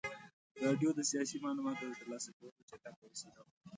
راډیو د سیاسي معلوماتو د ترلاسه کولو چټکه وسیله وه.